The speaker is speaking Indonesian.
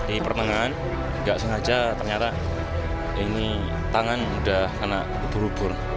ini pertengahan tidak sengaja ternyata ini tangan sudah kena ubur ubur